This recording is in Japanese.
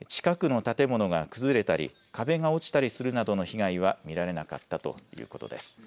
近くの建物が崩れたり壁が落ちたりするなどの被害は見られなかったということです。